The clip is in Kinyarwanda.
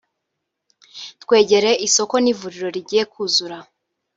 twegereye isoko n’ivuriro rigiye kuzura